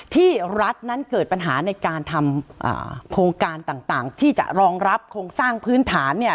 ที่รัฐนั้นเกิดปัญหาในการทำโครงการต่างที่จะรองรับโครงสร้างพื้นฐานเนี่ย